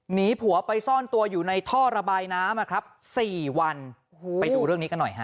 หนีผัวไปซ่อนตัวอยู่ในท่อระบายน้ำอ่ะครับสี่วันไปดูเรื่องนี้กันหน่อยฮะ